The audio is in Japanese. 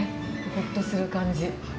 ほっとする感じ。